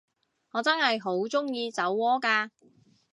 我真係好鍾意酒窩㗎